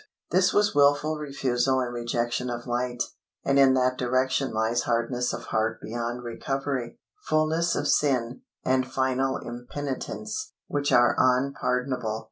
This was wilful refusal and rejection of light, and in that direction lies hardness of heart beyond recovery, fullness of sin, and final impenitence, which are unpardonable.